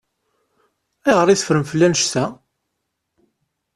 Ayɣer i teffrem fell-i annect-a?